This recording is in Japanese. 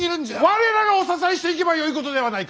我らがお支えしていけばよいことではないか！